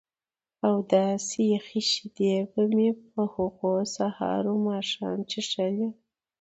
او داسې یخې شیدې به مې په هغو سهار و ماښام څښلې.